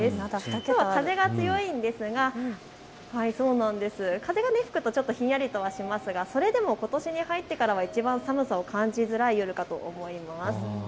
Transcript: きょうは風が強いんですが風が吹くとひんやりとはしますが、それでもことしに入ってからはいちばん寒さを感じづらい夜かと思います。